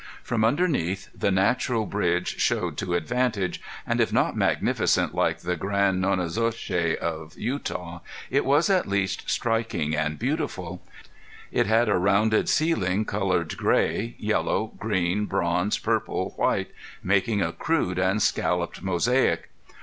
From underneath the Natural Bridge showed to advantage, and if not magnificent like the grand Nonnezoshe of Utah, it was at least striking and beautiful. It had a rounded ceiling colored gray, yellow, green, bronze, purple, white, making a crude and scalloped mosaic.